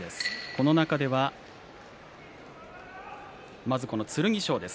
この中ではまず剣翔です。